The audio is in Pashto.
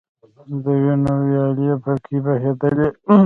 د وینو ویالې په کې بهیدلي دي.